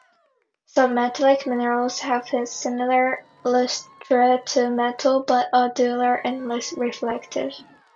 Submetallic minerals have similar lustre to metal, but are duller and less reflective.